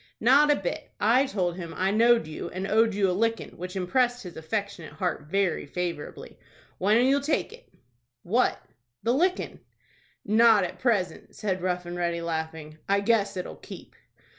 "Not a bit; I told him I know'd you, and owed you a lickin', which impressed his affectionate heart very favorably. When'll you take it?" "What?" "The lickin'." "Not at present," said Rough and Ready, laughing. "I guess it'll keep."